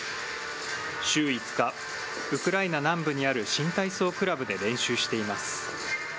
週５日、ウクライナ南部にある新体操クラブで練習しています。